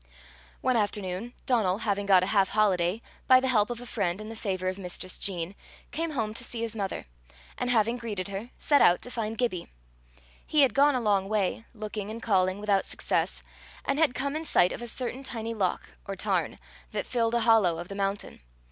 One afternoon, Donal, having got a half holiday, by the help of a friend and the favour of Mistress Jean, came home to see his mother, and having greeted her, set out to find Gibbie. He had gone a long way, looking and calling without success, and had come in sight of a certain tiny loch, or tarn, that filled a hollow of the mountain.